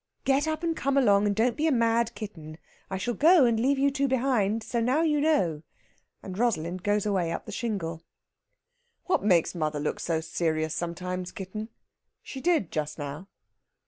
"Get up and come along, and don't be a mad kitten! I shall go and leave you two behind. So now you know." And Rosalind goes away up the shingle. "What makes mother look so serious sometimes, kitten? She did just now."